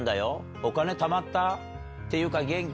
お金たまったー？っていうか元気？